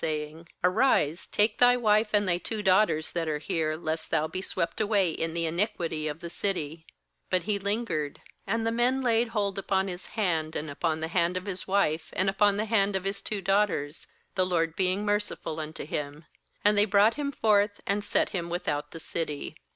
saying: 'Arise, take thy wife, ana thy two daughters that are here; lest thou be swep "' the city/ ; away in the iniquity of Jut he lingered; and the men laid hold upon his hand, and upon the hand of his wife, and upon the hand of his two daughters; the LORD being merciful unto him. And they brought him forth, and set him without the city.